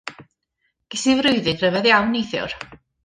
Ges i freuddwyd ryfedd iawn neithiwr.